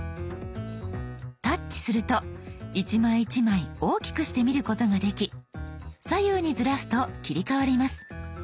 タッチすると一枚一枚大きくして見ることができ左右にずらすと切り替わります。